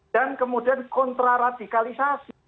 dan kemudian kontraradikalisasi